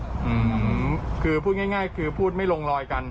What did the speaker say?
อืมคือพูดง่ายง่ายคือพูดไม่ลงรอยกัน